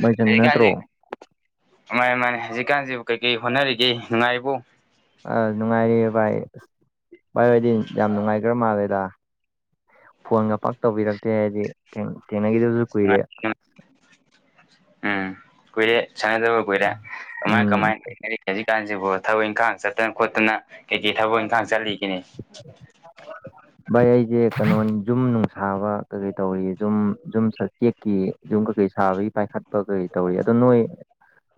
ꯃꯥꯏꯁꯟ ꯅꯠꯇ꯭ꯔꯣ ꯍꯧꯖꯤꯛꯀꯥꯟꯁꯤ ꯃꯥꯅꯦ ꯃꯥꯅꯦ ꯍꯧꯖꯤꯛꯀꯥꯟꯁꯤꯕꯨ ꯀꯩ ꯀꯩ ꯍꯣꯠꯅꯔꯤꯒꯦ ꯅꯨꯡꯉꯥꯏꯔꯤꯕꯣ ꯑ ꯅꯨꯡꯉꯥꯏꯔꯤꯌꯦ ꯚꯥꯏ ꯑꯁ ꯚꯥꯏ ꯍꯣꯢꯗꯤ ꯌꯥꯝ ꯅꯨꯡꯉꯥꯏꯈ꯭ꯔ ꯃꯥꯜꯂꯦꯗ ꯐꯣꯟꯒ ꯄꯥꯛ ꯇꯧꯕꯤꯔꯛꯇꯦ ꯍꯥꯏꯗꯤ ꯊꯦꯡꯅꯈꯤꯗꯕꯁꯨ ꯀꯨꯏꯔꯦ ꯎꯝ ꯀꯨꯢꯔꯦ ꯁꯅꯗꯕ ꯀꯨꯏꯔꯦ ꯀꯃꯥꯏ ꯀꯃꯥꯏ ꯎꯝ ꯍꯧꯖꯤꯛꯀꯥꯟꯁꯤꯕꯨ ꯊꯕꯛ ꯏꯪꯈꯥꯡ ꯆꯠꯇꯅ ꯈꯣꯠꯇꯅ ꯀꯩꯀꯩ ꯊꯕꯛ ꯏꯪꯈꯥꯡ ꯆꯠꯂꯤꯒꯅꯤ ꯚꯥꯏ ꯑꯩꯁꯦ ꯀꯩꯅꯣ ꯖꯨꯝ ꯅꯨꯡꯁꯥꯕ ꯀꯩꯀꯩ ꯇꯧꯔꯤ ꯖꯨꯝ ꯖꯨꯝ ꯁ ꯎꯆꯦꯛꯀꯤ ꯌꯨꯝ ꯀꯩꯀꯩ ꯁꯥꯕꯒꯤ ꯄꯥꯏꯈꯠꯄ ꯀꯩ ꯇꯧꯔꯤ ꯑꯗꯣ ꯅꯣꯏ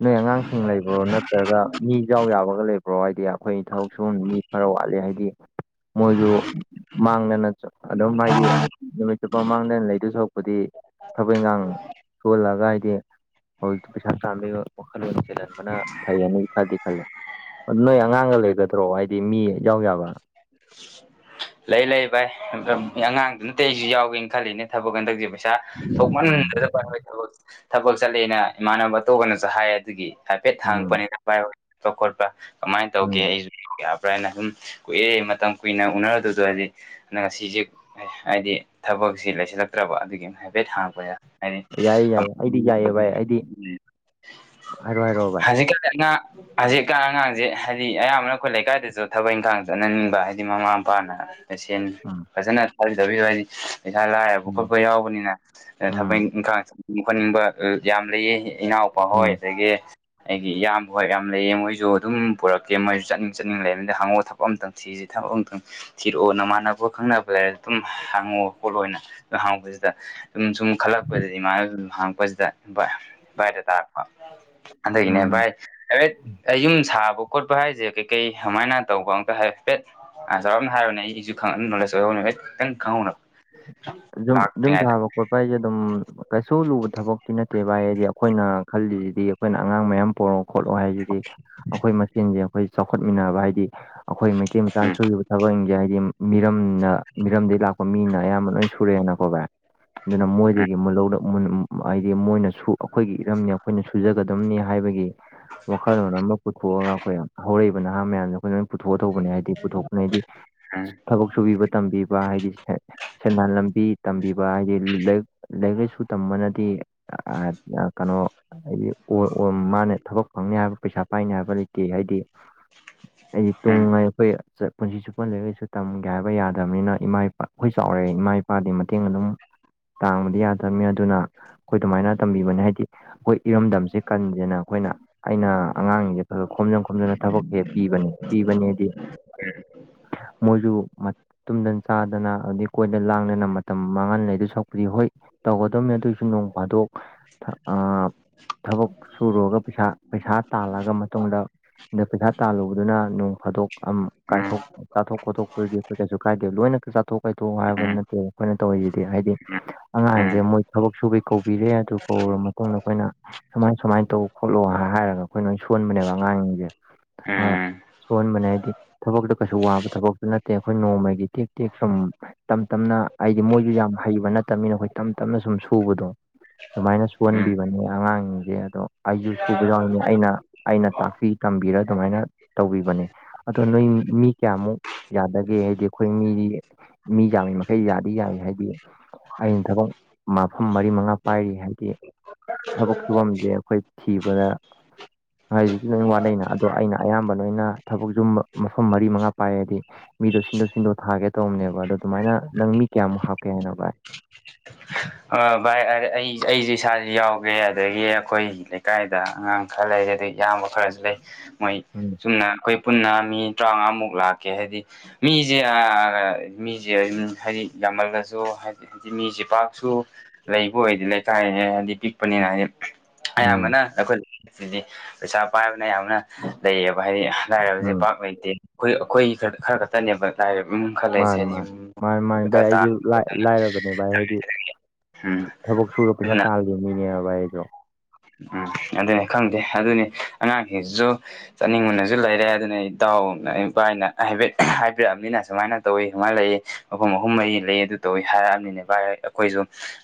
ꯅꯣꯏ ꯑꯉꯥꯡꯁꯤꯡ ꯂꯩꯕ꯭ꯔꯣ ꯅꯠꯇ꯭ꯔꯒ ꯃꯤ ꯏꯖꯥꯎ ꯌꯥꯕꯒ ꯂꯩꯕ꯭ꯔꯣ ꯍꯥꯏꯗꯤ ꯑꯩꯈꯣꯏ ꯊꯕꯛ ꯁꯨ ꯃꯤ ꯈꯔ ꯋꯥꯠꯂꯤ ꯍꯥꯏꯗꯤ ꯃꯣꯏꯁꯨ ꯃꯥꯡꯗꯅ ꯑꯗꯨꯝ ꯍꯥꯏꯗꯤ ꯅꯨꯃꯤꯠ ꯆꯨꯞꯄ ꯃꯥꯡꯗꯅ ꯂꯩꯗꯨꯁꯨ ꯑꯩꯗꯤ ꯊꯕꯛ ꯏꯟꯈꯥꯡ ꯁꯨꯍꯜꯂꯑꯒ ꯍꯥꯏꯗꯤ ꯍꯧꯖꯤꯛꯇꯤ ꯄꯩꯁꯥ ꯇꯥꯕꯤꯒꯤ ꯋꯥꯈꯜꯂꯣꯟ ꯆꯦꯜꯍꯟꯕꯅ ꯐꯩꯌꯦꯅ ꯈꯔꯗꯤ ꯈꯜꯂꯦ ꯅꯣꯏ ꯑꯉꯥꯡꯒ ꯂꯩꯒꯗ꯭ꯔꯣ ꯍꯥꯏꯗꯤ ꯃꯤ ꯌꯥꯎ ꯌꯥꯕ ꯂꯩ ꯂꯩ ꯚꯥꯏ ꯑꯉꯥꯡ ꯅꯠꯇꯦ ꯑꯩꯁꯨ ꯌꯥꯎꯒꯦꯅ ꯈꯜꯂꯤꯅꯦ ꯊꯕꯛ ꯍꯟꯗꯛꯁꯦ ꯄꯩꯁꯥ ꯎꯝ ꯊꯣꯛꯃꯟꯗꯕ ꯊꯕꯛ ꯆꯠꯂꯦꯅ ꯏꯃꯥꯟꯅꯕ ꯑꯇꯣꯞꯄꯅꯁꯨ ꯍꯥꯏ ꯑꯗꯨꯒꯤ ꯍꯥꯏꯐꯦꯠ ꯎꯝ ꯍꯥꯡꯉꯛꯄꯅꯤꯗ ꯄꯥꯢ ꯈꯣꯠꯄ ꯀꯃꯥꯏꯅ ꯇꯧꯒꯦ ꯎꯝ ꯑꯩꯁꯨ ꯌꯥꯕ꯭ꯔꯥ ꯍꯥꯏꯅ ꯑꯗꯨꯝ ꯀꯨꯏꯔꯦ ꯃꯇꯝ ꯀꯨꯏꯅ ꯎꯅꯔꯨꯗꯕꯗꯨ ꯑ ꯉꯁꯤꯁꯦ ꯍꯥꯏꯗꯤ ꯊꯕꯛꯁꯤ ꯂꯩꯁꯤꯜꯂꯛꯇ꯭ꯔꯕ ꯑꯗꯨꯒꯤ ꯍꯥꯏꯐꯦꯠ ꯍꯥꯡꯉꯛꯄꯅꯤꯗ ꯌꯥꯏꯌꯦ ꯍꯥꯏ ꯌꯥꯏꯌꯦ ꯑꯩꯗꯤ ꯌꯥꯏꯌꯦ ꯚꯥꯏ ꯑꯩꯗꯤ ꯍꯥꯏꯔꯣ ꯍꯥꯏꯔꯣ ꯚꯥꯏ ꯍꯧꯖꯤꯛꯒꯤ ꯍꯧꯖꯤꯛ ꯀꯥꯟ ꯑꯉꯥꯡꯁꯦ ꯍꯥꯏꯗꯤ ꯑꯌꯥꯝꯕꯅ ꯑꯩꯈꯣꯏ ꯂꯩꯀꯥꯏꯗꯁꯨ ꯊꯕꯛ ꯏꯪꯈꯥꯡ ꯆꯠꯅꯅꯤꯡꯕ ꯍꯥꯏꯗꯤ ꯃꯃꯥ ꯃꯄꯥꯅ ꯁꯦꯟ ꯎꯝ ꯐꯖꯅ ꯊꯥꯕꯤꯗꯕ ꯍꯥꯏꯗꯤ ꯄꯩꯁꯥ ꯂꯥꯏꯔꯕ ꯎꯝ ꯈꯣꯠꯄ ꯌꯥꯎꯕꯅꯤꯅ ꯊꯕꯛ ꯎꯝ ꯏꯪꯈꯥꯡ ꯆꯠꯅꯤꯡꯕ ꯈꯣꯠꯅꯤꯡꯕ ꯌꯥꯝ ꯂꯩꯌꯦ ꯏꯅꯥꯎꯄꯥ ꯍꯣꯏ ꯎꯝ ꯑꯗꯒꯤ ꯑꯩꯗꯤ ꯏꯌꯥꯝꯕ ꯍꯣꯢ ꯌꯥꯝ ꯂꯩꯌꯦ ꯃꯣꯏꯁꯨ ꯑꯗꯨꯝ ꯄꯨꯔꯛꯀꯦ ꯃꯣꯏꯁꯨ ꯆꯠꯅꯤꯡ ꯆꯠꯅꯤꯡ ꯂꯩꯂꯤꯅꯦ ꯍꯪꯉꯛꯑꯣ ꯊꯕꯛ ꯊꯕꯛ ꯑꯃꯝꯇꯪ ꯊꯤꯔꯤꯁꯤ ꯊꯕꯛ ꯑꯃꯇꯪ ꯊꯤꯔꯛꯑꯣ ꯅꯃꯥꯟꯅꯕ ꯈꯪꯅꯕ ꯂꯩꯔ ꯑꯗꯨꯝ ꯍꯥꯡꯉꯛꯑꯣ ꯈꯣꯠꯂꯣꯅ ꯍꯥꯡꯄꯁꯤꯗ ꯑꯗꯨꯝ ꯁꯨꯝ ꯈꯜꯂꯛꯄꯗꯗꯤ ꯏꯃꯥꯟꯅꯕ ꯑꯗꯨꯝ ꯍꯥꯡꯉꯛꯄꯁꯤꯗ ꯚꯥꯏꯗ ꯇꯥꯔꯦ ꯑꯗꯨꯢꯅꯦ ꯎꯝ ꯚꯥꯏ ꯑꯩ ꯌꯨꯝ ꯁꯥꯕ ꯈꯣꯠꯄ ꯍꯥꯏꯁꯦ ꯀꯩꯀꯩ ꯀꯃꯥꯏꯅ ꯇꯧꯕ ꯍꯥꯏꯐꯦꯠ ꯆꯥꯎꯔꯥꯛꯅ ꯍꯥꯏꯔꯛꯑꯣꯅꯦ ꯑꯩꯁꯨ ꯈꯪꯉ ꯅꯣꯂꯦꯖ ꯑꯣꯏꯍꯧꯅꯕ ꯑꯩ ꯈꯤꯇꯪ ꯈꯪꯍꯧꯅꯕ ꯑꯗꯨꯨꯝ ꯌꯨꯝ ꯂꯥꯛꯇ꯭ꯔꯤꯉꯩꯗ ꯁꯥꯕ ꯈꯣꯠꯄ ꯍꯥꯏꯁꯦ ꯑꯗꯨꯝ ꯀꯩꯁꯨ ꯂꯨꯕ ꯊꯕꯛꯇꯤ ꯅꯠꯇꯦ ꯚꯥꯏ ꯍꯥꯏꯗꯤ ꯑꯩꯈꯣꯏꯅ ꯈꯜꯂꯤꯁꯤꯗꯤ ꯑꯩꯈꯣꯏꯅ ꯑꯉꯥꯡ ꯃꯌꯥꯝ ꯄꯨꯔꯛꯑꯣ ꯈꯣꯠꯂꯣ ꯍꯥꯏꯁꯤꯗꯤ ꯑꯩꯈꯣꯏ ꯃꯆꯤꯟꯁꯦ ꯑꯩꯈꯣꯏ ꯆꯥꯎꯈꯠꯃꯤꯟꯅꯕ ꯍꯥꯏꯗꯤ ꯑꯩꯈꯣꯏ ꯃꯩꯇꯩ ꯃꯆꯥꯅ ꯎꯝ ꯁꯨꯔꯤꯕ ꯊꯕꯛꯁꯤꯡꯁꯦ ꯍꯥꯏꯗꯤ ꯃꯤꯔꯝꯅ ꯃꯤꯔꯝꯗꯒꯤ ꯂꯥꯛꯄ ꯃꯤꯅ ꯑꯌꯥꯝꯕ ꯂꯣꯏ ꯁꯨꯔꯦꯅꯀꯣ ꯚꯥꯏ ꯑꯗꯨꯅ ꯃꯣꯏꯗꯒꯤ ꯃꯨꯟ ꯍꯥꯏꯗꯤ ꯃꯣꯏꯅ ꯁꯨ ꯑꯩꯈꯣꯏꯒꯤ ꯏꯔꯝꯅꯤ ꯑꯩꯈꯣꯏꯅ ꯁꯨꯖꯒꯗꯝꯕꯅꯤ ꯍꯥꯏꯕꯒꯤ ꯋꯥꯈꯜꯂꯣꯟ ꯑꯃ ꯄꯨꯊꯣꯛꯑꯒ ꯑꯩꯈꯣꯏ ꯍꯧꯔꯛꯏꯕ ꯅꯍꯥ ꯃꯌꯥꯝꯁꯦ ꯑꯩꯈꯣꯏꯅ ꯂꯣꯏꯅ ꯄꯨꯊꯣꯛꯑ ꯇꯧꯕꯅꯦ ꯍꯥꯏꯕꯗꯤ ꯄꯨꯊꯣꯛꯄ ꯍꯥꯏꯗꯤ ꯊꯕꯛ ꯁꯨꯕꯤꯕ ꯇꯝꯕꯤꯕ ꯍꯥꯏꯗꯤ ꯁꯦꯟꯗꯥꯟ ꯂꯝꯕꯤ ꯇꯝꯕꯤꯕ ꯍꯥꯏꯗꯤ ꯂꯥꯢꯔꯤꯛ ꯂꯥꯏꯔꯤꯛ ꯂꯥꯏꯁꯨ ꯇꯝꯕꯅꯗꯤ ꯀꯩꯅꯣ ꯍꯥꯏꯗꯤ ꯃꯥꯅ ꯊꯕꯛ ꯐꯪꯅꯤ ꯍꯥꯏꯕ ꯄꯩꯁꯥ ꯄꯥꯏꯅꯤ ꯍꯥꯏꯕ ꯂꯩꯇꯦ ꯍꯥꯏꯗꯤ ꯍꯥꯏꯗꯤ ꯎꯝ ꯇꯨꯡꯉꯥꯏ ꯑꯩꯈꯣꯏ ꯄꯨꯟꯁꯤ ꯆꯨꯞꯄ ꯂꯥꯢꯔꯤꯛ ꯂꯥꯢꯁꯨ ꯇꯝꯒꯦ ꯍꯥꯏꯕ ꯌꯥꯗꯕꯅꯤꯅ ꯏꯃꯥ ꯏꯄꯥ ꯑꯩꯈꯣꯏ ꯆꯥꯎꯔꯦ ꯏꯃꯥ ꯏꯄꯥꯗꯤ ꯃꯇꯦꯡ ꯑꯗꯨꯝ ꯄꯥꯡꯕꯗꯤ ꯌꯥꯗꯕꯅꯤꯅ ꯑꯗꯨꯅ ꯑꯩꯈꯣꯏ ꯑꯗꯨꯃꯥꯏꯅ ꯇꯝꯕꯤꯕꯅꯦ ꯍꯥꯏꯗꯤ ꯑꯩꯈꯣꯏ ꯏꯔꯝꯗꯝꯁꯦ ꯀꯟꯁꯦꯅ ꯑꯩꯈꯣꯏꯅ ꯑꯩꯅ ꯑꯉꯥꯡꯁꯤꯡꯁꯦ ꯈꯔ ꯈꯣꯝꯖꯤꯟ ꯈꯣꯝꯖꯤꯟꯂ ꯊꯕꯛꯁꯦ ꯄꯤꯕꯅꯦ ꯄꯤꯕꯅꯦꯗꯤ ꯃꯣꯏꯁꯨ ꯇꯨꯝꯗꯅ ꯆꯥꯗꯅ ꯑꯗꯨꯗꯤ ꯀꯣꯏꯅ ꯂꯥꯡꯗꯅ ꯃꯇꯝ ꯃꯥꯡꯍꯟ ꯂꯩꯗ ꯁꯛꯄꯨꯗꯤ ꯍꯣꯏ ꯇꯧꯒꯗꯕꯅꯤ ꯑꯗꯨꯏꯁꯨ ꯅꯣꯡ ꯐꯥꯗꯣꯛ [unintelligible] ꯁꯨꯔꯒ ꯄꯩꯁꯥ ꯄꯩꯁꯥ ꯇꯥꯜꯂꯒ ꯃꯇꯨꯡꯗ ꯑꯗ ꯄꯩꯁꯥ ꯇꯥꯜꯂꯨꯕꯗꯨꯅ ꯅꯣꯡ ꯐꯥꯗꯣꯛ ꯝ ꯎꯝ ꯀꯥꯏꯊꯣꯛ ꯆꯥꯊꯣꯛ ꯈꯣꯠꯇꯣꯛꯄꯗꯤ ꯑꯩꯈꯣꯏ ꯀꯩꯁꯨ ꯀꯥꯏꯗꯦ ꯂꯣꯏꯅ ꯆꯥꯊꯣꯛ ꯀꯣꯏꯊꯣꯛ ꯎꯝ ꯍꯥꯏꯕ ꯎꯝ ꯅꯠꯇꯦ ꯑꯩꯈꯣꯏꯅ ꯇꯧꯔꯤꯁꯤꯗꯤ ꯍꯥꯏꯗꯤ ꯎꯝ ꯎꯝ ꯑꯉꯥꯡꯁꯦ ꯃꯣꯏ ꯊꯕꯛ ꯁꯨꯕꯩ ꯀꯧꯕꯤꯔꯦ ꯑꯗꯨ ꯀꯧꯔ ꯃꯇꯨꯡꯗ ꯑꯩꯈꯣꯏꯅ ꯁꯨꯃꯥꯏ ꯁꯨꯃꯥꯏꯅ ꯇꯧ ꯈꯣꯠꯂꯣ ꯍꯥꯏꯔꯒ ꯑꯩꯈꯣꯏ ꯅꯣꯏ ꯁꯣꯟꯕꯅꯦꯕ ꯑꯉꯥꯡꯁꯤꯡꯁꯦ ꯎꯝ ꯁꯣꯛꯍꯟꯕꯅꯦ ꯍꯥꯏꯗꯤ ꯊꯕꯛꯇꯣ ꯀꯩꯁꯨ ꯋꯥꯕ ꯊꯕꯛꯇꯤ ꯅꯠꯇꯦ ꯑꯩꯈꯣꯏ ꯅꯣꯡꯃꯒꯤ ꯇꯦꯛ ꯇꯦꯛ ꯁꯨꯝ ꯇꯞ ꯇꯞꯅ ꯍꯥꯏꯗꯤ ꯃꯣꯏꯁꯨ ꯌꯥꯝ ꯍꯩꯕ ꯅꯠꯇꯕꯅꯤꯅ ꯑꯩꯈꯣꯏ ꯇꯞ ꯇꯞꯅ ꯁꯨꯝ ꯁꯨꯕꯗꯣ ꯁꯨꯃꯥꯏꯅ ꯎꯝ ꯁꯨꯍꯟꯕꯤꯕꯅꯦ ꯑꯉꯥꯡꯁꯤꯡꯁꯦ ꯑꯗꯣ ꯑꯩꯁꯨ ꯁꯨꯕ ꯌꯥꯎꯔꯤꯅꯦ ꯑꯩꯅ ꯑꯩꯅ ꯇꯥꯛꯄꯤ ꯇꯝꯕꯤꯔ ꯑꯗꯨꯃꯥꯏꯅ ꯇꯧꯕꯤꯕꯅꯦ ꯑꯗꯣ ꯅꯣꯏ ꯃꯤ ꯀꯌꯥꯃꯨꯛ ꯌꯥꯗꯒꯦ ꯍꯥꯏꯗꯤ ꯑꯩꯈꯣꯏ ꯃꯤ ꯃꯤ ꯌꯥꯝꯃꯤ ꯃꯈꯩ ꯌꯥꯗꯤ ꯌꯥꯏ ꯍꯥꯏꯗꯤ ꯑꯩꯅ ꯊꯕꯛ ꯃꯐꯝ ꯃꯔꯤ ꯃꯉꯥ ꯄꯥꯏꯔꯤ ꯍꯥꯏꯗꯤ ꯊꯕꯛ ꯁꯨꯐꯝꯁꯦ ꯑꯩꯈꯣꯏ ꯊꯤꯕꯗ ꯉꯥꯏꯖꯤꯤ ꯂꯣꯏꯅ ꯋꯥꯠꯅꯩꯅ ꯑꯗꯣ ꯑꯩꯅ ꯑꯌꯥꯝꯕ ꯂꯣꯏꯅ ꯊꯕꯛꯁꯨꯨꯝꯕ ꯃꯐꯝ ꯃꯔꯤ ꯃꯉꯥ ꯄꯥꯏꯔꯗꯤ ꯃꯤꯗꯣ ꯁꯤꯟꯗꯣꯛ ꯁꯤꯟꯗꯣꯛ ꯊꯥꯒꯦ ꯇꯧꯕꯅꯦꯕ ꯑꯗꯣ ꯑꯗꯨꯃꯥꯏꯅ ꯅꯪ ꯃꯤ ꯀꯌꯥꯃꯨꯛ ꯍꯥꯞꯀꯦ ꯍꯥꯏꯅ ꯚꯥꯏ ꯚꯥꯏ ꯑꯩ ꯑꯩꯁꯨꯦ ꯏꯁꯥꯁꯨ ꯌꯥꯎꯒꯦ ꯑꯗꯒꯤ ꯑꯩꯈꯣꯏ ꯂꯩꯀꯥꯏꯗ ꯑꯉꯥꯡ ꯈꯔ ꯂꯩꯔ ꯑꯗꯨꯩ ꯏꯌꯥꯝꯕ ꯈꯔꯁꯨ ꯂꯩ ꯃꯣꯏ ꯎ ꯑꯗꯨꯨꯝꯅ ꯑꯩꯈꯣꯏ ꯄꯨꯟꯅ ꯃꯤ ꯇꯔꯥꯃꯉꯥꯃꯨꯛ ꯂꯥꯛꯀꯦ ꯍꯥꯏꯗꯤ ꯃꯤꯁꯦ ꯃꯤꯁꯦ ꯑꯗꯨꯝ ꯍꯥꯏꯗꯤ ꯌꯥꯝꯃꯜꯂꯁꯨ ꯍꯥꯏꯗꯤ ꯍꯥꯏꯗꯤ ꯃꯤꯁꯦ ꯄꯥꯛ ꯁꯨ ꯂꯩꯕ ꯑꯣꯏꯗꯤ ꯂꯩꯀꯥꯏ ꯍꯥꯏꯗꯤ ꯄꯤꯛꯄꯅꯤꯅ ꯍꯥꯏꯗꯤ ꯎꯝ ꯑꯌꯥꯝꯕꯅ ꯑꯩꯈꯣꯏ ꯁꯤꯗꯤ ꯄꯩꯁꯥ ꯄꯥꯏꯕꯅ ꯌꯥꯝꯅ ꯂꯩꯌꯦꯕ ꯍꯥꯏꯗꯤ ꯂꯥꯏꯔꯕꯁꯦ ꯎꯝ ꯄꯥꯛ ꯂꯩꯇꯦ ꯑꯩꯈꯣꯏ ꯑꯩꯈꯣꯏ ꯈ ꯈꯔ ꯈ ꯈꯛꯇꯅꯦꯕ ꯈꯜ ꯂꯩꯁꯦ ꯃꯥꯅꯤ ꯃꯥꯅꯤ ꯃꯥꯅꯤ ꯃꯥꯅꯤ ꯚꯥꯏ ꯍꯥꯏ ꯇ ꯑꯩꯁꯨ ꯂꯥꯏ ꯂꯥꯏꯔꯕꯅꯦ ꯚꯥꯏ ꯈ ꯍꯥꯏꯗꯤ ꯊꯕꯛ ꯁꯨꯔ ꯄꯩꯁꯥ ꯇꯥꯜꯂꯤꯜꯂꯤ ꯃꯤꯅꯦꯕ ꯑꯩꯗꯣ ꯎꯝ ꯑꯗꯨꯅꯦ ꯈꯪꯗꯦ ꯑꯗꯨꯅꯤ ꯑꯉꯥꯡꯁꯤꯡꯁꯨ ꯆꯠꯅꯤꯡ ꯃꯨꯟꯅꯁꯨ ꯂꯩꯔꯦ ꯑꯗꯨꯅ ꯑꯩ ꯏꯇꯗꯥꯎꯅ ꯏꯕꯥꯥꯏꯅ ꯍꯥꯏ ꯍꯥꯏꯕꯤꯔꯛꯑꯕꯅꯤꯅ ꯁꯨꯃꯥꯏꯅ ꯇꯧꯏ ꯁꯨꯃꯥꯏꯅ ꯂꯩꯏ ꯃꯐꯝ ꯑꯍꯨꯝ ꯃꯔꯤ ꯂꯩ ꯑꯗꯨ ꯇꯧꯋꯤ ꯍꯥꯏꯔꯛꯑꯕꯅꯤꯅꯦ ꯚꯥꯏ ꯑꯩꯈꯣꯏꯁꯨ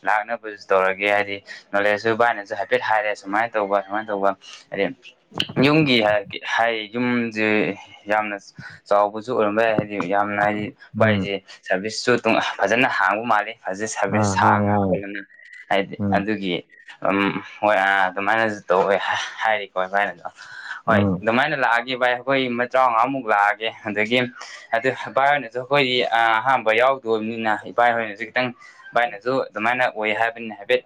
ꯂꯥꯛꯅꯕꯁꯨ ꯇꯧꯔꯒꯦ ꯍꯥꯏꯗꯤ ꯅꯣꯂꯦꯖꯁꯨ ꯚꯥꯏꯅꯁꯨ ꯍꯥꯏꯐꯦꯠ ꯍꯥꯏꯔꯦ ꯁꯨꯃꯥꯏꯅ ꯇꯧꯕ ꯁꯨꯃꯥꯏꯅ ꯇꯧꯕ ꯍꯥꯏꯗꯤ ꯌꯨꯝꯒꯤ ꯍꯥꯏ ꯌꯨꯝꯁꯦ ꯌꯥꯝꯅ ꯆꯥꯎꯕꯁꯨ ꯑꯣꯏꯔꯝꯕ ꯌꯥꯏ ꯍꯥꯏꯗꯤ ꯌꯥꯝꯅ ꯍꯥꯏꯗꯤ ꯎꯝ ꯚꯥꯏꯁꯦ ꯁꯥꯔꯚꯤꯁꯁꯨ ꯐꯖꯅ ꯍꯥꯡꯕ ꯃꯥꯜꯂꯤꯦ ꯐꯖꯦ ꯁꯥꯚꯤꯁꯦꯁ ꯑꯥ ꯍꯥꯡꯉꯦ ꯁꯥꯡꯉ ꯍꯥꯡꯉꯦ ꯈꯣꯠꯂꯅꯤ ꯍꯥꯏꯗꯤ ꯎꯝ ꯑꯗꯨꯒꯤ ꯎ ꯍꯣꯏ ꯑꯥ ꯑꯗꯨꯃꯥꯏꯅꯁꯨ ꯇꯧꯋꯦ ꯍꯥꯏꯔꯤꯀꯣ ꯑꯗꯨꯃꯥꯏꯅꯗꯣ ꯍꯣꯏ ꯎꯝ ꯑꯗꯨꯃꯥꯏꯅ ꯂꯥꯛꯑꯒꯦ ꯚꯥꯏ ꯑꯩꯈꯣꯏ ꯏ ꯃꯆꯥ ꯃꯉꯥꯃꯨꯛ ꯂꯥꯛꯑꯒꯦ ꯑꯗꯒꯤ ꯑꯗꯨ ꯏꯕꯥꯏ ꯍꯣꯏꯅꯁꯨ ꯑꯩꯈꯣꯏꯗꯤ ꯑꯍꯥꯟꯕ ꯌꯥꯎꯗꯣꯕꯅꯤꯅ ꯏꯕꯥꯏ ꯍꯣꯏꯅꯁꯨ ꯈꯤꯇꯪ ꯚꯥꯏꯅꯁꯨ ꯑꯗꯨꯃꯥꯏꯅ ꯑꯣꯏ ꯍꯥꯏꯕꯅꯤ ꯍꯥꯏꯐꯦꯠ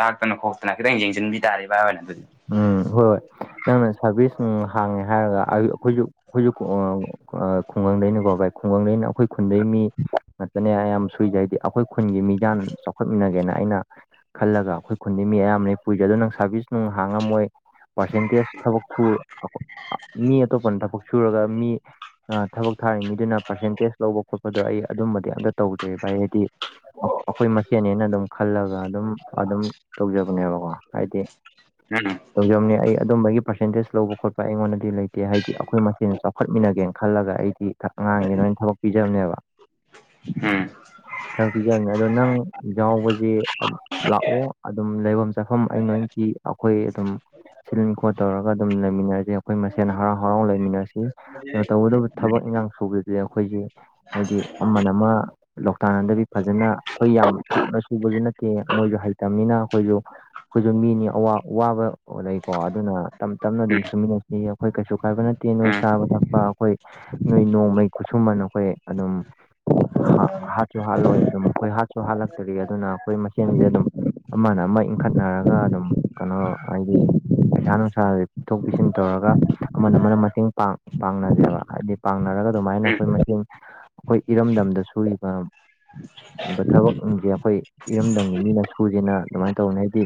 ꯇꯥꯛꯇꯅ ꯈꯣꯇꯅ ꯈꯤꯇꯪ ꯌꯦꯡꯁꯤꯟꯕꯤ ꯌꯥꯔꯦꯕꯕꯅ ꯑꯗꯨꯗꯤ ꯎꯝ ꯍꯣꯏ ꯍꯣꯏ ꯅꯪꯅ ꯁꯥꯔꯚꯤꯁ ꯍꯥꯡꯉꯦ ꯍꯥꯏꯔꯒ ꯑꯩꯈꯣꯏꯁꯨ ꯑꯩꯈꯣꯏꯁꯨ ꯈꯨꯡꯒꯪꯗꯩꯅꯀꯣ ꯚꯥꯏ ꯈꯨꯡꯒꯪꯗꯩꯅ ꯑꯩꯈꯣꯏ ꯈꯨꯟꯗꯩ ꯃꯤ ꯉꯠꯇꯅꯦ ꯑꯌꯥꯝ ꯁꯨꯖꯩ ꯍꯥꯏꯗꯤ ꯑꯩꯈꯣꯏ ꯈꯨꯟꯒꯤ ꯃꯤꯗꯥꯥꯟ ꯆꯥꯎꯈꯠꯃꯤꯟꯅꯒꯦꯅ ꯑꯩꯅ ꯈꯜꯂꯒ ꯑꯩꯈꯣꯏ ꯈꯨꯟꯗꯤ ꯃꯤ ꯑꯌꯥꯝꯕꯅ ꯄꯨꯏꯔꯤꯁꯦ ꯑꯗꯣ ꯅꯪ ꯁꯥꯔꯚꯤꯁꯁ ꯅꯨꯡ ꯍꯥꯡꯉꯝꯃꯣꯏ ꯄꯥꯔꯁꯦꯟꯇꯦꯖ ꯊꯕꯛ ꯁ ꯃꯤ ꯑꯇꯣꯞꯄꯅ ꯊꯕꯛ ꯁꯨꯔꯒ ꯃꯤ ꯊꯕꯛ ꯊꯥꯔꯤ ꯃꯤꯗꯨꯅ ꯄꯥꯔꯁꯦꯟꯇꯦꯖ ꯂꯧꯕ ꯈꯣꯠꯄꯗꯣ ꯑꯩ ꯑꯗꯨꯝꯕꯗꯤ ꯑꯝꯇ ꯇꯧꯗꯦ ꯚꯥꯏ ꯍꯥꯏꯗꯤ ꯑꯩꯈꯣꯏ ꯃꯁꯦꯅꯦꯅ ꯑꯗꯨꯝ ꯈꯜꯂꯒ ꯑꯗꯨꯝ ꯑꯗꯨꯝ ꯇꯧꯖꯕꯅꯦꯕꯀꯣ ꯍꯥꯏꯗꯤ ꯍꯅ ꯇꯧꯖꯕꯅꯦ ꯑꯩ ꯑꯗꯨꯝꯕꯒꯤ ꯄꯥꯔꯁꯦꯟꯇꯦꯖ ꯂꯧꯕ ꯈꯣꯠꯄ ꯑꯩꯉꯣꯟꯗꯗꯤ ꯂꯩꯇꯦ ꯀꯦ ꯍꯥꯏꯗꯤ ꯑꯩꯈꯣꯏ ꯃꯁꯦꯟꯁ ꯆꯥꯎꯈꯠꯃꯤꯟꯅꯒꯦꯅ ꯈꯜꯂꯒ ꯑꯩꯗꯤ ꯑꯉꯥꯡꯒꯤꯅ ꯑꯣꯏꯅ ꯊꯕꯛ ꯄꯤꯖꯕꯅꯦꯕ ꯎꯝ [unintelligible] ꯄꯤꯖꯕꯅꯤ ꯑꯗꯣ ꯅꯪ ꯌꯥꯎꯕꯁꯦ ꯂꯥꯛꯑꯣ ꯑꯗꯨꯝ ꯂꯩꯐꯝ ꯆꯥꯐꯝ ꯑꯩ ꯅꯣꯏ ꯑꯩꯈꯣꯏ ꯑꯗꯨꯝ ꯁꯤꯟ ꯈꯣꯠ ꯇꯧꯔꯒ ꯑꯗꯨꯝ ꯂꯩꯃꯤꯟꯅꯔꯁꯦ ꯑꯩꯈꯣꯏ ꯃꯁꯦꯟ ꯍꯔꯥꯎ ꯍꯔꯥꯎ ꯂꯩꯃꯤꯟꯅꯁꯤ ꯑꯗꯨ ꯇꯧꯕꯇꯕꯨ ꯎꯝ ꯊꯕꯛ ꯏꯟꯈꯥꯡ ꯁꯨꯕꯗꯨꯗꯤ ꯑꯩꯈꯣꯏꯁꯤ ꯍꯥꯏꯗꯤ ꯑꯃꯅ ꯑꯃ ꯂꯧꯇꯥꯟ ꯅꯗꯕꯤ ꯐꯖꯅ ꯑꯩꯈꯣꯏ ꯌꯥꯝ ꯊꯨꯅ ꯁꯨꯕꯁꯨ ꯅꯠꯇꯦ ꯃꯣꯏꯁꯨ ꯍꯩꯇꯕꯅꯤꯅ ꯑꯩꯈꯣꯏꯁꯨ ꯑꯩꯣꯏꯁꯨ ꯃꯤꯅꯤ ꯑꯋꯥꯕ ꯂꯩꯀꯣ ꯑꯗꯨꯅ ꯇꯞ ꯇꯞꯅ ꯑꯗꯨꯝ ꯁꯨꯃꯤꯟꯅꯁꯤ ꯑ ꯑꯩꯈꯣꯏ ꯀꯩꯁꯨ ꯀꯥꯏꯕ ꯅꯠꯇꯦ ꯅꯣꯏ ꯎꯝ ꯆꯥꯕ ꯊꯛꯄ ꯑꯩꯈꯣꯏ ꯅꯣꯏ ꯅꯣꯡꯃꯩ ꯈꯨꯠꯁꯨꯃꯟ ꯑꯩꯈꯣꯏ ꯑꯗꯨꯝ ꯍꯥ ꯍꯥꯠꯁꯨ ꯍꯥꯠꯂꯣꯏ ꯑꯗꯨꯝ ꯑꯩꯈꯣꯏ ꯍꯥꯠꯁꯨ ꯍꯥꯠꯂꯛꯇꯔꯤ ꯑꯗꯨꯅ ꯑꯩꯈꯣꯏ ꯃꯁꯦꯟꯁꯦ ꯑꯗꯨꯝ ꯑꯃꯅ ꯑꯃ ꯏꯟꯈꯠꯅꯔꯒ ꯑꯗꯨꯝ ꯀꯩꯅꯣ ꯍꯥꯏꯗꯤ ꯄꯩꯁꯥ ꯅꯨꯡꯁꯥꯁꯤ ꯄꯤꯊꯣꯛ ꯄꯤꯁꯤꯟ ꯇꯧꯔꯒ ꯑꯃꯅ ꯑꯃꯅ ꯃꯇꯦꯡ ꯄꯥꯡ ꯄꯥꯡꯅꯖꯦꯕ ꯍꯥꯏꯕꯗꯤ ꯄꯥꯡꯅꯔꯒ ꯑꯗꯨꯃꯥꯏꯅ ꯑꯩꯈꯣꯏ ꯎꯝ ꯃ ꯑꯩꯈꯣꯏ ꯏꯔꯝꯗꯝꯗ ꯁꯨꯔꯤꯕ ꯊꯕꯛꯁꯦ ꯑꯩꯈꯣꯏ ꯏꯔꯝꯗꯝꯒꯤ ꯃꯤꯅ ꯁꯨꯁꯤꯦꯅ ꯑꯗꯨꯃꯥꯏꯅ ꯇꯧꯅꯤ ꯍꯥꯏꯗꯤ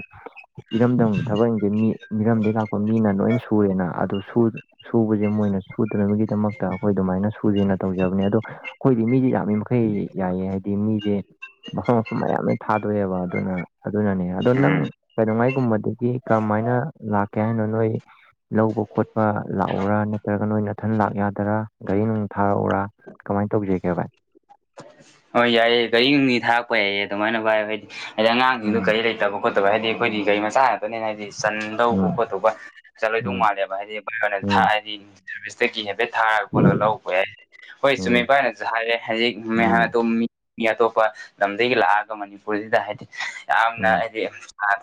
ꯏꯔꯝꯗꯝꯒꯤ ꯊꯕꯛꯗꯤꯦ ꯃꯤ ꯃꯤꯔꯝꯗꯒꯤꯩ ꯂꯥꯛꯄ ꯃꯤꯅ ꯂꯣꯏ ꯁꯨꯔꯦꯅ ꯑꯗꯨ ꯁꯨꯕꯁꯦ ꯃꯣꯏꯅ ꯁꯨꯗꯅꯕꯒꯤꯗꯃꯛꯇ ꯑꯩꯈꯣꯏ ꯑꯗꯨꯃꯥꯏꯅ ꯁꯨꯗꯦꯅ ꯇꯧꯖꯕꯅꯦ ꯑꯗꯣ ꯑꯩꯈꯣꯏꯗꯤ ꯃꯤꯁꯦ ꯌꯥꯃꯤ ꯃꯈꯩ ꯌꯥꯏꯌꯦ ꯍꯥꯏꯗꯤ ꯃꯤꯁꯦ ꯃꯐꯝ ꯃꯐꯝ ꯃꯌꯥꯝ ꯊꯥꯗꯣꯛꯑꯦꯕ ꯑꯗꯨꯅ ꯑꯗꯨꯅꯅꯦ ꯑꯗꯣ ꯎꯝ ꯅꯪ ꯀꯩꯗꯧꯉꯩꯒꯨꯝꯕꯗꯒꯤ ꯀꯔꯝꯃꯥꯏꯅ ꯂꯥꯛꯀꯦ ꯍꯥꯏꯅꯣ ꯅꯣꯏ ꯂꯧꯕ ꯈꯣꯠꯄ ꯂꯥꯛꯎꯔꯥ ꯅꯠꯇ꯭ꯔꯒ ꯅꯣꯏꯅ ꯑꯊꯟ ꯂꯥꯛ ꯌꯥꯗꯔꯥ ꯒꯥꯔꯤ ꯅꯨꯡ ꯊꯥꯔꯛꯎꯔꯥ ꯀꯃꯥꯏꯅ ꯇꯧꯁꯤꯒꯦ ꯚꯥꯏ ꯍꯣꯏ ꯌꯥꯏꯌꯦ ꯒꯥꯔꯤꯅꯨꯡꯂꯤ ꯊꯥꯔꯛꯄ ꯌꯥꯏꯌꯦ ꯑꯗꯨꯃꯥꯏꯅ ꯚꯥꯏ ꯍꯥꯏꯗꯤ ꯍꯥꯏꯗꯤ ꯑꯉꯥꯡꯁꯤꯡꯗꯨ ꯎꯝ ꯒꯥꯔꯤ ꯂꯩꯇꯕ ꯈꯣꯠꯇꯕ ꯍꯥꯏꯗꯤ ꯑꯩꯈꯣꯏꯗꯤ ꯒꯥꯔꯤ ꯃꯆꯥ ꯉꯥꯛꯇꯅꯦꯅ ꯍꯥꯏꯗꯤ ꯆꯟꯗꯧꯕ ꯎꯝ ꯈꯣꯠꯇꯧꯕ ꯆꯟꯂꯣꯏꯗꯧ ꯎꯝ ꯃꯥꯜꯂꯦꯕ [unintelligible] [unintelligible] ꯎꯝ ꯁꯥꯔꯚꯤꯁꯁꯇꯒꯤ ꯍꯥꯏꯐꯦꯠ ꯊꯥꯔꯒ ꯈꯣꯠꯂꯒ ꯂꯧꯕ ꯌꯥꯏ ꯍꯣꯏ ꯆꯨꯝꯃꯤ ꯎꯝ ꯚꯥꯏꯅꯁꯨ ꯍꯥꯏꯔꯦ ꯍꯥꯏꯗꯤ [unintelligible] ꯎꯝ ꯃꯤ ꯃꯤ ꯑꯇꯣꯞꯄ ꯂꯝꯗꯒꯤ ꯂꯥꯛꯑꯒ ꯃꯅꯤꯄꯨꯔꯁꯤꯗ ꯍꯥꯏꯗꯤ ꯎꯝ ꯌꯥꯝꯅ ꯎꯝ ꯍꯥꯏꯗꯤ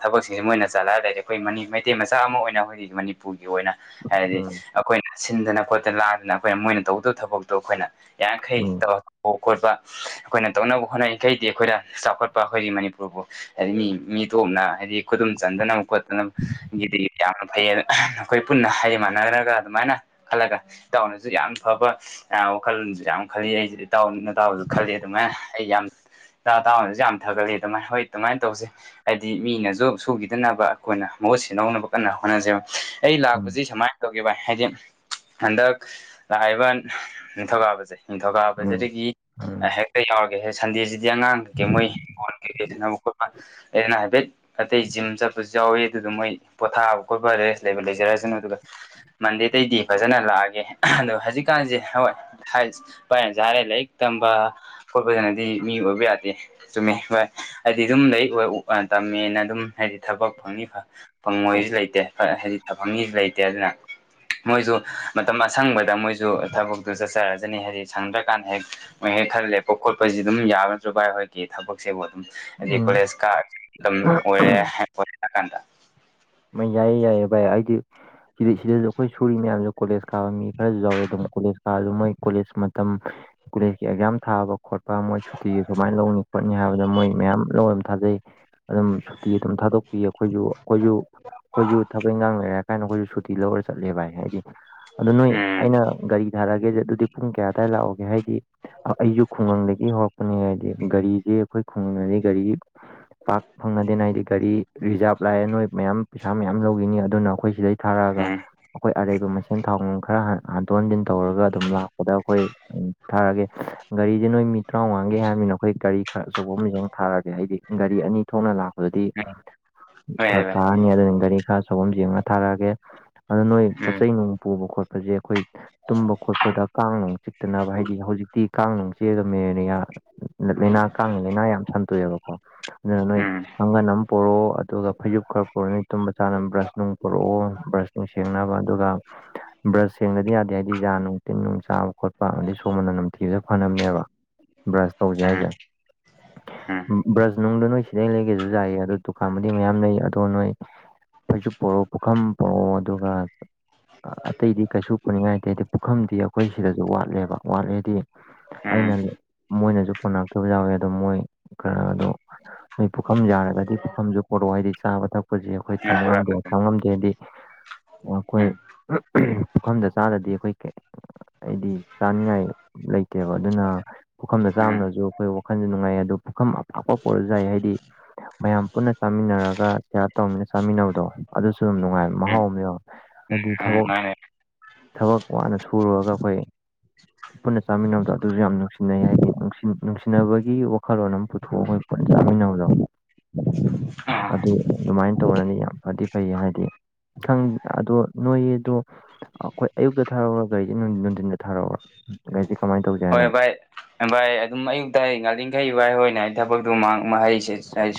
ꯊꯕꯛꯁꯤꯡꯁꯦ ꯃꯣꯏꯅ ꯆꯂꯥꯏ ꯂꯩꯔꯦ ꯍꯥꯏꯗꯤ ꯑꯩꯈꯣꯏ ꯃꯩꯇꯩ ꯃꯆꯥ ꯑꯃ ꯑꯣꯏꯅ ꯑꯩꯈꯣꯏꯒꯤ ꯃꯅꯤꯄꯨꯔꯒꯤ ꯑꯣꯏꯅ ꯍꯥꯏꯔꯗꯤ ꯑꯩꯈꯣꯏꯅ ꯁꯤꯟꯗꯅ ꯈꯣꯠꯇꯅ ꯂꯥꯡꯗꯅ ꯑꯩꯈꯣꯏꯅ ꯃꯣꯏꯅ ꯇꯧꯗꯧꯕ ꯊꯕꯛꯇꯣ ꯑꯩꯈꯣꯏꯅ ꯌꯥꯔꯤꯈꯩ ꯎꯝ ꯇꯧ ꯈꯣꯠꯄ ꯑꯩꯈꯣꯏꯅ ꯇꯧꯅꯕ ꯍꯣꯠꯅꯩ ꯑꯇꯩꯗꯤ ꯑꯩꯈꯣꯏꯅ ꯆꯥꯎꯈꯠꯄ ꯑꯩꯈꯣꯏꯒꯤ ꯃꯅꯤꯄꯨꯔꯕꯨ ꯍꯥꯏꯗꯤ ꯃꯤ ꯃꯤꯇꯣꯞꯅ ꯍꯥꯏꯗꯤ ꯈꯨꯗꯨꯝ ꯆꯟꯗꯅꯕ ꯈꯣꯠꯇꯅꯕ ꯒꯤꯗꯤ ꯌꯥꯝꯅ ꯐꯩ ꯑꯩꯈꯣꯏ ꯄꯨꯟꯅ ꯍꯥꯏꯗꯤ ꯃꯥꯟꯅꯔꯒ ꯑꯗꯨꯃꯥꯏꯅ ꯈꯜꯂꯒ ꯏꯇꯥꯎꯟꯗꯁꯨ ꯌꯥꯝ ꯐꯕ ꯋꯥꯈꯜꯁꯨ ꯌꯥꯝ ꯈꯜꯂꯤ ꯑꯩꯁꯨ ꯏꯇꯥꯎ ꯅꯇꯥꯎ ꯈꯜꯂꯤ ꯑꯗꯨꯃꯥꯏꯅ ꯑꯩ ꯌꯥꯝ ꯏꯇꯥꯎ ꯇꯥꯎꯅꯁꯨ ꯌꯥꯝ ꯊꯥꯒꯠꯂꯤ ꯑꯗꯨꯃꯥꯏꯅ ꯍꯣꯏ ꯑꯗꯨꯃꯥꯏꯅ ꯇꯧꯁꯦ ꯍꯥꯏꯗꯤ ꯃꯤꯅꯁꯨ ꯁꯨꯈꯤꯗꯅꯕ ꯑꯩꯈꯣꯏꯅ ꯃꯍꯨꯠ ꯁꯤꯍꯧꯅꯕ ꯀꯟꯅ ꯍꯣꯠꯅꯖꯦꯕ ꯑꯩ ꯂꯥꯛꯄꯁꯤ ꯁꯨꯃꯥꯏꯅ ꯇꯧꯒꯦ ꯕꯥꯏ ꯍꯥꯏꯗꯤ ꯍꯟꯗꯛ ꯂꯥꯛꯏꯕ ꯅꯤꯡꯊꯧꯀꯥꯕꯁꯦ ꯎꯝ ꯅꯤꯡꯊꯧꯀꯥꯕꯖꯤꯗꯒꯤ ꯎꯝ ꯎꯝ ꯍꯦꯛꯇ ꯌꯥꯎꯔꯒꯦ ꯁꯟꯗꯦꯁꯤꯗꯤ ꯑꯉꯥꯡꯒꯤ ꯃꯣꯏ ꯏꯪꯈꯣꯟ ꯀꯩꯀꯩ ꯁꯥꯅꯕ ꯈꯣꯠꯄ ꯂꯩꯗꯅ ꯍꯥꯏꯐꯦꯠ ꯑꯇꯩ ꯖꯤꯝ ꯆꯠꯄꯁꯨ ꯌꯥꯎꯏ ꯑꯗꯨꯗꯨ ꯃꯣꯏ ꯄꯣꯊꯥꯕ ꯈꯣꯠꯄ ꯔꯦꯖ ꯂꯩꯕ ꯂꯩꯖꯔꯁꯅꯨ ꯑꯗꯨꯒ ꯃꯟꯗꯦꯇꯩꯗꯤ ꯐꯖꯅ ꯂꯥꯛꯑꯒꯦ ꯑꯗꯣ ꯍꯧꯖꯤꯛꯀꯥꯟꯁꯦ ꯍꯣꯏ [unintelligible] ꯚꯥꯏꯅꯁꯨ ꯍꯥꯏꯔꯦ ꯂꯥꯏꯔꯤꯛ ꯇꯝꯕ ꯈꯣꯠꯄꯗꯅꯗꯤ ꯃꯤ ꯑꯣꯏꯕ ꯌꯥꯗꯦ ꯆꯨꯝꯃꯦ ꯍꯣꯏ ꯍꯥꯏꯗꯤ ꯑꯗꯨꯝ ꯂꯥꯏꯔꯤꯛ ꯇꯝꯃꯦꯅ ꯑꯗꯨꯝ ꯍꯥꯏꯗꯤ ꯊꯕꯛ ꯐꯪꯅꯤ ꯐꯪꯉꯣꯏꯁꯨ ꯂꯩꯇꯦ ꯍꯣꯏ ꯍꯥꯏꯗꯤ ꯐꯪꯅꯤꯁꯨ ꯂꯩꯇꯦ ꯑꯗꯨꯅ ꯃꯣꯏꯁꯨ ꯃꯇꯝ ꯑꯁꯪꯕꯗ ꯃꯣꯏꯁꯨ ꯊꯕꯛꯇꯨ ꯆꯠꯆꯔꯖꯅꯤ ꯍꯥꯏꯗꯤ ꯁꯪꯗ꯭ꯔꯀꯥꯟꯗ ꯍꯦꯛ ꯃꯣꯏ ꯍꯦꯛ ꯈꯔ ꯂꯦꯞꯄ ꯈꯣꯠꯄꯁꯤ ꯑꯗꯨꯝ ꯌꯥꯒꯗ꯭ꯔꯥ ꯚꯥꯏ ꯍꯥꯏꯒꯤ ꯊꯕꯛꯁꯤꯕꯨ ꯑꯗꯨꯝ ꯑꯗꯩꯩ ꯎꯝ ꯀꯣꯂꯦꯁ ꯀꯥ [unintelligible] ꯀꯥꯥꯟꯗ [unintelligible] ꯕꯥꯏ ꯌꯥꯏꯌꯦ ꯌꯥꯏꯌꯦ ꯚꯥꯏ ꯑꯩꯗꯤ ꯁꯤꯗꯩ ꯁꯤꯗꯁꯨ ꯑꯩꯈꯣꯏ ꯁꯨꯔꯤ ꯃꯌꯥꯝꯁꯨ ꯀꯣꯂꯦꯖ ꯀꯥꯕ ꯃꯤ ꯈꯔꯁꯨ ꯌꯥꯎꯔꯦ ꯑꯗꯨꯝ ꯀꯣꯂꯦꯖ ꯀꯥꯁꯨ ꯃꯣꯏ ꯀꯣꯂꯦꯖ ꯃꯇꯝ ꯀꯣꯂꯦꯖꯀꯤ ꯑꯦꯛꯖꯥꯝ ꯊꯥꯕ ꯈꯣꯠꯄ ꯃꯣꯏ ꯁꯨꯇꯤ ꯁꯨꯃꯥꯏꯅ ꯂꯧꯅꯤ ꯈꯣꯠꯅꯤ ꯍꯥꯏꯕꯗ ꯃꯣꯏ ꯃꯌꯥꯝ ꯂꯧꯔ ꯑꯃ ꯊꯥꯖꯩ ꯑꯗꯨꯝ ꯁꯨꯇꯤ ꯑꯗꯨꯝ ꯊꯥꯗꯣꯛꯄꯤ ꯑꯩꯈꯣꯏꯁꯨ ꯑꯩꯈꯣꯏꯁꯨ ꯑꯩꯈꯣꯏꯁꯨ ꯊꯕꯛ ꯏꯟꯈꯥꯡ ꯂꯩꯔꯦ ꯍꯥꯏ ꯀꯥꯏꯅ ꯑꯩꯈꯣꯏꯁꯨ ꯁꯨꯇꯤ ꯂꯧꯔꯒ ꯆꯠꯂꯦ ꯚꯥꯏ ꯍꯥꯏꯗꯤ ꯑꯗꯨꯗꯣ ꯅꯣꯏ ꯎꯝ ꯑꯩꯅ ꯒꯥꯔꯤ ꯌꯥꯔꯒꯦꯁꯦ ꯑꯗꯨꯗꯤ ꯄꯨꯡ ꯀꯌꯥ ꯑꯗꯋꯥꯏ ꯂꯥꯛꯑꯣꯒꯦ ꯍꯥꯏꯗꯤ ꯑꯩꯁꯨ ꯈꯨꯡꯒꯪꯗꯒꯤ ꯍꯧꯔꯛꯄꯅꯤ ꯍꯥꯏꯗꯤ ꯒꯥꯔꯤꯁꯦ ꯑꯩꯈꯣꯏ ꯈꯨꯡꯒꯪꯗꯗꯤ ꯒꯥꯔꯤ ꯄꯥꯛ ꯐꯪꯅꯗꯦꯅ ꯍꯥꯏꯗꯤ ꯒꯥꯔꯤ ꯔꯤꯖꯥꯕ ꯂꯥꯛꯑꯦ ꯅꯣꯏ ꯃꯌꯥꯝ ꯄꯩꯁꯥ ꯃꯌꯥꯝ ꯂꯧꯈꯤꯅꯤ ꯑꯗꯨꯅ ꯑꯩꯈꯣꯏ ꯁꯤꯗꯩ ꯊꯥꯔꯛꯑꯒ ꯎꯝ ꯑꯩꯈꯣꯏ ꯑꯔꯩꯕ ꯃꯁꯦꯟ ꯊꯥꯎ ꯅꯨꯡ ꯈꯔ ꯍꯟꯗꯣꯛ ꯍꯟꯖꯤꯟ ꯇꯧꯔꯒ ꯑꯗꯨꯝ ꯂꯥꯛꯄꯗ ꯑꯩꯈꯣꯏ ꯎꯝ ꯊꯥꯔꯒꯦ ꯒꯥꯔꯤꯗꯤ ꯅꯣꯏ ꯃꯤ ꯇꯔꯥꯃꯉꯥꯡꯒꯦ ꯍꯥꯏꯔꯕꯃꯤꯅ ꯑꯩꯈꯣꯏ ꯒꯥꯔꯤ ꯈꯔ ꯑꯆꯧꯕ ꯑꯃ ꯊꯥꯔꯒꯦ ꯍꯥꯏꯗꯤ ꯒꯥꯔꯤ ꯑꯅꯤ ꯊꯣꯛꯅ ꯂꯥꯛꯄꯗꯗꯤ [unintelligible] ꯍꯣꯏ ꯚꯥꯏ ꯐꯔꯛꯇꯥꯔꯅꯤ ꯑꯗꯨꯅꯤ ꯒꯥꯔꯤ ꯈꯔ ꯑꯆꯧꯕ ꯌꯦꯡꯉ ꯊꯥꯔꯛꯑꯒꯦ ꯑꯗꯨ ꯅꯣꯏ ꯄꯣꯠ ꯎꯝ ꯆꯩ ꯅꯨꯡ ꯄꯨꯕ ꯈꯣꯠꯄꯁꯦ ꯑꯩꯈꯣꯏ ꯇꯨꯝꯕ ꯈꯣꯠꯄꯗ ꯀꯥꯡ ꯅꯨꯡ ꯆꯤꯛꯇꯅꯕ ꯍꯥꯏꯗꯤ ꯍꯧꯖꯤꯛꯇꯤ ꯀꯥꯡ ꯅꯨꯡ ꯆꯤꯛꯑꯗꯤ ꯃꯦꯂꯔꯤꯌꯥ ꯂꯥꯏꯅꯥ ꯀꯥꯡꯉꯤ ꯂꯥꯏꯅꯥ ꯌꯥꯝ ꯁꯟꯇꯣꯛꯑꯦꯕꯀꯣ ꯑꯗꯨꯅ ꯅꯣꯏ ꯎꯝ ꯀꯥꯡꯒꯟ ꯑꯃ ꯄꯨꯔꯣ ꯑꯗꯨꯒ ꯐꯩꯖꯨꯞ ꯄꯨꯔꯅꯤ ꯇꯨꯝꯕ ꯆꯥꯅꯕ ꯕ꯭ꯔꯁ ꯅꯨꯡ ꯄꯨꯔꯛꯎ ꯕ꯭ꯔꯁ ꯅꯨꯡ ꯁꯦꯡꯅꯕ ꯑꯗꯨꯒ ꯕ꯭ꯔꯁ ꯁꯦꯡꯗꯗꯤ ꯌꯥꯗꯦ ꯍꯥꯏꯗꯤ ꯌꯥꯖ ꯅꯨꯡ ꯇꯤꯟ ꯅꯨꯡ ꯆꯥꯕ ꯈꯣꯠꯄ ꯑꯃꯗꯤ ꯁꯣꯔ ꯃꯅꯝ ꯅꯝꯊꯤꯕꯁꯨ ꯐꯅꯕꯅꯦꯕ ꯕ꯭ꯔꯁ ꯇꯧꯁꯦ ꯎꯝ ꯍꯥꯏꯁꯦ ꯎꯝ ꯕ꯭ꯔꯁ ꯅꯨꯡꯗꯨ ꯅꯣꯏꯁꯤ ꯈꯤꯗꯩ ꯂꯩꯒꯦꯁꯨ ꯌꯥꯥꯏꯌꯦ ꯑꯗꯨꯗꯣ ꯗꯨꯀꯥꯟꯥꯟꯕꯗꯤ ꯃꯌꯥꯝ ꯂꯩꯌꯦ ꯑꯗꯣ ꯅꯣꯏ ꯐꯩꯖꯨꯞ ꯄꯨꯔꯛꯑꯣ ꯄꯨꯈꯝ ꯄꯨꯔꯛꯑꯣ ꯑꯗꯨꯒ ꯑꯇꯩꯗꯤ ꯀꯩꯁꯨ ꯄꯨꯅꯤꯡꯉꯥꯏ ꯂꯩꯇꯦ ꯄꯨꯈꯝꯗꯤ ꯑꯩꯈꯣꯏ ꯁꯤꯗꯁꯨ ꯋꯥꯠꯂꯦꯕ ꯋꯥꯠꯂꯦꯗꯤ ꯎꯝ ꯎꯝ ꯑꯩꯅ ꯃꯣꯏꯅꯁꯨ ꯄꯨꯅꯔꯛꯇꯕ ꯌꯥꯎꯋꯦ ꯑꯗꯣ ꯃꯣꯏ ꯈꯔ ꯑꯗꯣ ꯅꯣꯏ ꯄꯨꯈꯝ ꯌꯥꯔꯒꯗꯤ ꯄꯨꯈꯝꯁꯨ ꯄꯣꯔꯛꯑꯣ ꯍꯥꯏꯗꯤ ꯆꯥꯕ ꯊꯛꯄꯁꯦ ꯑꯩꯈꯣꯏ ꯎꯝ ꯇꯝꯕ ꯉꯝꯗꯦ ꯇꯝ ꯉꯝꯗꯦ ꯍꯥꯏꯗꯤ ꯑꯩꯈꯣꯏ ꯎꯝ ꯄꯨꯈꯝꯗ ꯆꯥꯗꯗꯤ ꯑꯩꯈꯣꯏ ꯑꯩꯗꯤ ꯆꯥꯅꯤꯡꯉꯥꯏ ꯂꯩꯇꯦꯕ ꯑꯗꯨꯅ ꯄꯨꯈꯝꯗ ꯎꯝ ꯆꯥꯕꯅꯁꯨ ꯑꯩꯈꯣꯏ ꯋꯥꯈꯟꯁꯨ ꯅꯨꯡꯉꯥꯏ ꯑꯗꯨ ꯄꯨꯈꯝ ꯑꯄꯥꯛꯄ ꯄꯨꯔꯁꯨ ꯌꯥꯏ ꯍꯥꯏꯗꯤ ꯃꯌꯥꯝ ꯄꯨꯟꯅ ꯆꯥꯃꯤꯟꯅꯔꯒ ꯁꯤꯌꯥꯔ ꯇꯧꯃꯤꯟꯅ ꯆꯥꯃꯤꯟꯅꯕꯗꯣ ꯑꯗꯨꯁꯨ ꯌꯥꯝ ꯅꯨꯡꯉꯥꯏꯕ ꯎꯝ ꯃꯍꯥꯎ ꯑꯃꯅꯦꯕ ꯍꯥꯏꯗꯤ ꯎꯝ ꯊꯕꯛ ꯃꯥꯅꯦ ꯊꯕꯛ ꯋꯥꯅ ꯁꯨꯔꯒ ꯑꯩꯈꯣꯏ ꯄꯨꯟꯅ ꯆꯥꯃꯤꯟꯅꯕꯗꯣ ꯑꯗꯨꯁꯨ ꯌꯥꯝ ꯅꯨꯡꯁꯤꯅꯩ ꯍꯥꯏꯗꯤ ꯅꯨꯡꯁꯤꯅꯕꯒꯤ ꯋꯥꯈꯜꯂꯣꯟ ꯑꯃ ꯄꯨꯊꯣꯛꯑꯒ ꯑꯩꯈꯣꯏ ꯄꯨꯟꯅ ꯆꯥꯃꯤꯟꯅꯕꯗꯣ ꯑ ꯑꯗꯨ ꯑꯗꯨꯃꯥꯏꯅ ꯇꯧꯅꯗꯤ ꯌꯥꯝ ꯐꯗꯤ ꯐꯩ ꯍꯥꯏꯗꯤ ꯑꯗꯣ ꯅꯣꯏꯗꯣ ꯑꯩꯈꯣꯏ ꯑꯌꯨꯛꯇ ꯊꯥꯔꯛꯎꯔ ꯒꯥꯔꯤꯁꯦ ꯅꯨꯡꯊꯤꯟꯗ ꯊꯥꯔꯛꯎꯔ ꯑꯩꯁꯤ ꯀꯃꯅ ꯇꯧꯒꯦ ꯍꯣꯏ ꯚꯥꯏ ꯚꯥꯏ ꯑꯗꯨꯝ ꯑꯌꯨꯛꯇ ꯉꯜꯂꯤꯡꯈꯩ ꯚꯥꯏ ꯍꯣꯏꯅꯦ ꯑꯩ ꯊꯕꯛꯇꯨ ꯃꯍꯩ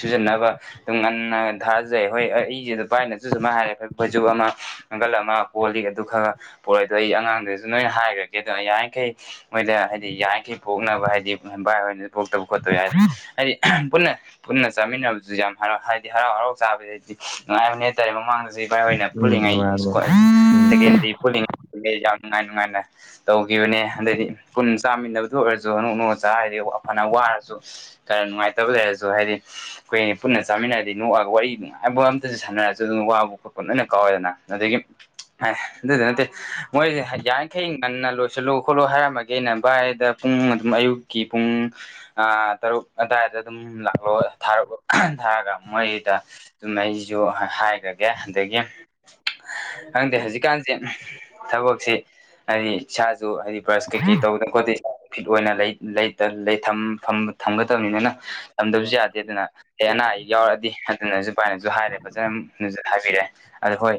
ꯁꯨꯖꯟꯅꯕ ꯑꯗꯨꯝ ꯉꯟꯅ ꯊꯥꯖꯩ ꯍꯣꯏ ꯑꯩ ꯑꯩꯁꯦ ꯑꯗꯨ ꯄꯥꯏꯅꯁꯨ ꯁꯨꯃꯥꯏ ꯍꯥꯏꯔꯦ ꯑꯩꯣꯏ ꯕꯩꯖ ꯑꯃ ꯅꯪꯒꯜ ꯑꯃ ꯄꯣꯜꯂꯤ ꯑꯗꯨ ꯈꯔ ꯄꯣꯔꯛꯦ ꯑꯗꯣ ꯑꯩ ꯑꯉꯥꯡꯗꯨꯁꯨ ꯅꯣꯏꯅ ꯍꯥꯏꯈ꯭ꯔꯒꯦꯗꯣ ꯌꯥꯔꯤꯈꯩ ꯃꯣꯏꯗ ꯍꯥꯏꯗꯤ ꯌꯥꯏꯈꯤ ꯄꯣꯛꯅꯕ ꯍꯥꯏꯗꯤꯕꯥꯏ ꯍ ꯄꯣꯛꯇꯕ ꯈꯣꯠꯇꯕ ꯌꯥꯏꯗꯅ ꯍꯥꯏꯗꯤ ꯄꯨꯟꯅ ꯄꯨꯟꯅ ꯆꯥꯃꯤꯟꯅꯕꯁꯨ ꯌꯥꯝ ꯍꯔꯥꯎꯏ ꯍꯥꯏꯗꯤ ꯍꯔꯥꯎ ꯍꯔꯥꯎ ꯆꯥꯕꯁꯤꯗꯩꯗꯤ ꯉꯥꯏꯕꯅꯦ ꯍꯥꯏꯇꯥꯔꯦ ꯃꯃꯥꯡꯗꯁꯨ ꯏꯚꯥꯏ ꯍꯣꯏꯅ ꯎꯝ ꯅꯨꯡꯉꯥꯏꯕꯅꯦ ꯄꯨꯜꯂꯤꯉꯩꯀ ꯎꯝ ꯁꯦꯀꯦꯟꯗꯔꯤ ꯄꯨꯜꯂꯤꯉꯩ ꯌꯥꯝ ꯅꯨꯡꯉꯥꯏ ꯅꯨꯡꯉꯥꯏꯅ ꯇꯧꯈꯤꯕꯅꯦ ꯑꯗꯩꯗꯤ ꯄꯨꯟꯅ ꯆꯥꯃꯤꯟꯅꯕꯗꯨ ꯑꯣꯏꯔꯁꯨ ꯅꯣꯛ ꯅꯣꯛꯅ ꯆꯥꯔꯗꯤ ꯐꯅ ꯋꯥꯔꯁꯨ ꯈꯔ ꯅꯨꯡꯉꯥꯏꯇꯕ ꯂꯩꯔꯁꯨ ꯍꯥꯏꯗꯤ ꯑꯩꯈꯣꯏ ꯄꯨꯟꯅ ꯆꯥꯃꯤꯟꯅꯔꯗꯤ ꯅꯣꯛꯑꯒ ꯋꯥꯔꯤ ꯅꯨꯡꯉꯥꯏꯕ ꯑꯝꯇꯁꯨ ꯁꯥꯟꯅꯔꯁꯨ ꯑꯗꯨꯅ ꯋꯥꯕꯨ ꯂꯣꯏꯅ ꯀꯥꯎꯋꯦꯗꯅ ꯑꯗꯒꯤ ꯑꯦ ꯑꯗꯨꯗꯤ ꯅꯠꯇꯦ ꯃꯣꯏꯁꯦ ꯌꯥꯔꯤꯈꯩ ꯉꯟꯅ ꯂꯣꯏꯁꯤꯜꯂꯨ ꯈꯣꯠꯂꯨ ꯍꯥꯏꯔꯝꯃꯒꯦ ꯑꯩꯅ ꯚꯥꯏꯗ ꯄꯨꯡ ꯑꯗꯨꯝ ꯑꯌꯨꯛꯀꯤ ꯄꯨꯡ ꯇꯔꯨꯛ ꯑꯗꯨꯋꯥꯏꯗ ꯑꯗꯨꯝ ꯂꯥꯛꯂꯣ ꯊꯥꯔ ꯊꯥꯔꯒ ꯃꯣꯏꯗ ꯑꯗꯨꯝ ꯑꯩꯁꯨ ꯍꯥꯏꯈ꯭ꯔꯒꯦ ꯑꯗꯒꯤ ꯈꯪꯗꯦ ꯍꯧꯖꯤꯛꯀꯥꯟꯁꯦ ꯊꯕꯛꯁꯦ ꯍꯥꯏꯗꯤ ꯏꯁꯥꯁꯨ ꯍꯥꯏꯗꯤ ꯕ꯭ꯔꯁ ꯀꯩꯀꯩ ꯇꯧꯗꯅ ꯈꯣꯠꯇꯦ ꯐꯤꯠ ꯑꯣꯏꯅ ꯂꯩ ꯂꯩꯇ ꯂꯩ ꯊꯝ ꯊꯝ ꯊꯝꯒꯗꯕꯅꯤꯅ ꯇꯝꯗꯕꯁꯨ ꯌꯥꯗꯦꯗꯅ ꯑꯦ ꯑꯅꯥ ꯑꯌꯦꯛ ꯌꯥꯎꯔꯛꯑꯗꯤ ꯑꯗꯨꯅꯁꯨ ꯚꯥꯏꯅꯁꯨ ꯍꯥꯏꯔꯦ ꯐꯖꯅ ꯍꯥꯏꯕꯤꯔꯛꯑꯦ ꯑꯗꯣ ꯍꯣꯏ